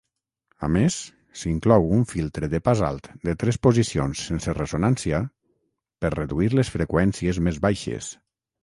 A més, s'inclou un filtre de pas alt de tres posicions sense ressonància per reduir les freqüències més baixes.